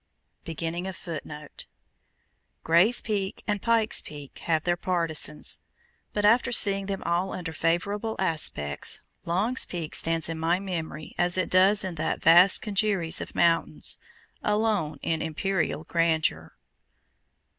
Gray's Peak and Pike's Peak have their partisans, but after seeing them all under favorable aspects, Long's Peak stands in my memory as it does in that vast congeries of mountains, alone in imperial grandeur.